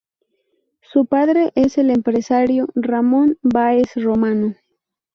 Su padre es el empresario Ramón Báez Romano.